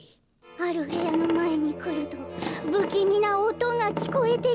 「ある部屋の前に来ると、不気味な音が聞こえてきます」。